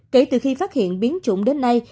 kể từ khi phát hiện biến chủng đến nay